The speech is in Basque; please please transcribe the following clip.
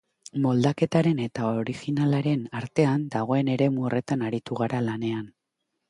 Moldaketaren eta originalaren artean dagoen eremu horretan aritu gara lanean.